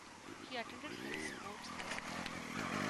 He attended Hills Sports High School.